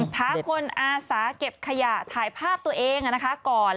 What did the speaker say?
ท้าคนอาสาเก็บขยะถ่ายภาพตัวเองก่อน